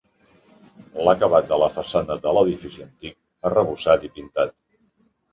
L'acabat de la façana de l'edifici antic, arrebossat i pintat.